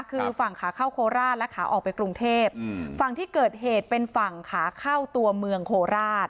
คือฝั่งขาเข้าโคราชและขาออกไปกรุงเทพฝั่งที่เกิดเหตุเป็นฝั่งขาเข้าตัวเมืองโคราช